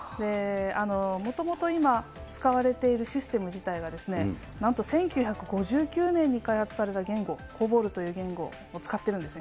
もともと今、使われているシステム自体が、なんと１９５９年に開発された言語、コボルという言語を使っているんですね。